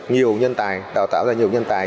nhiều nhân tài đào tạo ra nhiều nhân tài